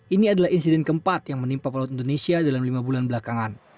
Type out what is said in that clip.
ini adalah insiden keempat yang menimpa pelaut indonesia dalam lima bulan belakangan